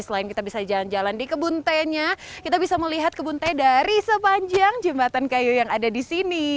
selain kita bisa jalan jalan di kebun tehnya kita bisa melihat kebun teh dari sepanjang jembatan kayu yang ada di sini